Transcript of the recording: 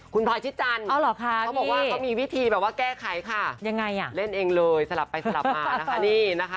คุณพร้อยชิดจันทร์เขาบอกว่ามีวิธีแก้ไขค่ะเล่นเองเลยสลับไปสลับมานะคะ